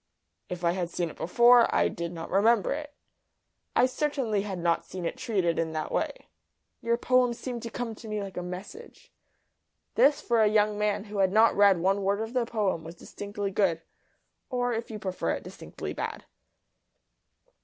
"If I had seen it before I did not remember it. I certainly had not seen it treated in that way. Your poem seemed to come to me like a message." This for a young man who had not read one word of the poem was distinctly good or, if you prefer it, distinctly bad.